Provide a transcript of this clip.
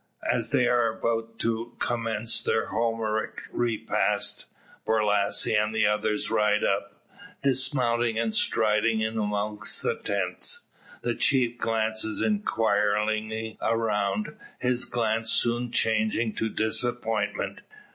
As they are about to commence their Homeric repast, Borlasse and the others ride up. Dismounting and striding in among the tents, the chief glances inquiringly around, his glance soon changing to disappointment.